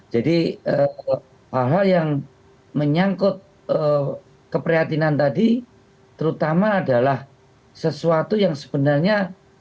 jadi hal hal yang menyangkut keperhatinan tadi terutama adalah sesuatu yang sebenarnya